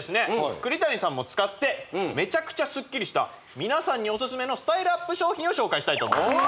栗谷さんも使ってめちゃくちゃスッキリした皆さんにオススメのスタイルアップ商品を紹介したいと思います